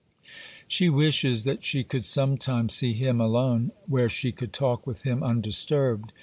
She wishes that she could some time see him alone, where she could talk with him undisturbed.